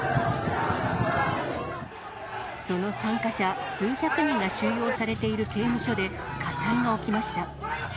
その参加者数百人が収容されている刑務所で、火災が起きました。